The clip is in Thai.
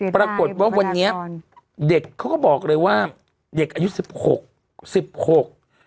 ปรากฏว่าวันนี้เด็กเขาก็บอกเลยว่าเด็กอายุสิบหกสิบหก